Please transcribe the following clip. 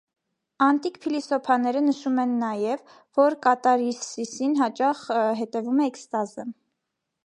Անտիկ փիլիսոփաները նշում են նաև, որ կատարսիսին հաճախ հետևում է էքստազը։